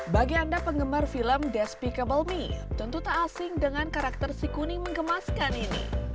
bagi anda penggemar film despeacable me tentu tak asing dengan karakter si kuning mengemaskan ini